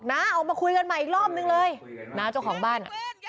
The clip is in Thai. น้าออกมาคุยกันใหม่อีกรอบนึงเลยน้าเจ้าของบ้านอ่ะ